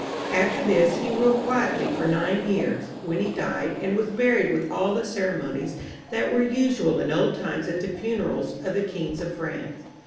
After this, he ruled quietly for nine years, when he died, and was buried with all the ceremonies that were usual in old times at the funerals of the kings of France.